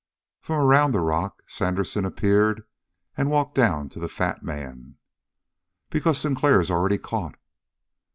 From around the rock Sandersen appeared and walked down to the fat man. "Because Sinclair's already caught."